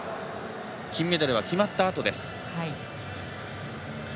金メダルが決まったあとです。